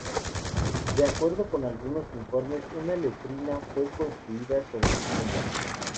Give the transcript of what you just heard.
De acuerdo con algunos informes una letrina fue construida sobre su tumba.